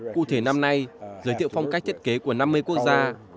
cụ thể năm nay giới thiệu phong cách thiết kế của năm mươi quốc gia